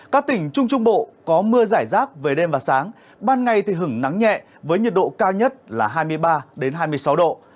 các tỉnh trung trung bộ có mưa giải rác về đêm và sáng ban ngày thì hứng nắng nhẹ với nhiệt độ cao nhất là hai mươi ba hai mươi sáu độ